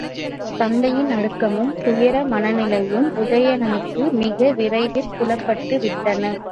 தத்தையின் நடுக்கமும் துயர மனநிலையும் உதயணனுக்கு மிக விரைவிற் புலப்பட்டு விட்டன.